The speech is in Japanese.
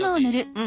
うん。